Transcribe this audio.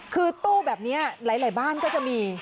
คือตู้แบบนี้หลายบ้านก็จะมี